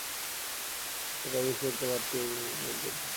আর সেটা হবে বিশেষত বাড়তি বিদ্যুৎ খরচের জন্যই।